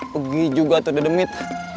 pergi juga sudah demit